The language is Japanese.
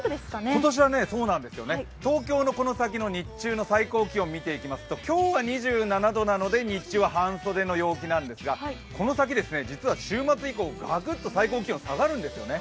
今年はそうなんです、東京のこの先の日中の気温を見ていきますと今日は２７度なので、日中は半袖の陽気なんですが、この先、実は週末以降、ガクッと最高気温が下がるんですね。